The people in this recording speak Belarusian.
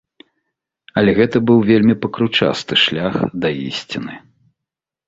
Але гэта быў вельмі пакручасты шлях да ісціны.